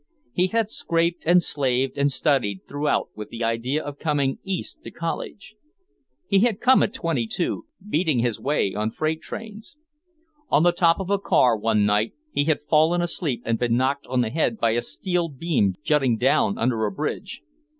He had scraped and slaved and studied throughout with the idea of coming East to college. He had come at twenty two, beating his way on freight trains. On the top of a car one night he had fallen asleep and been knocked on the head by a steel beam jutting down under a bridge.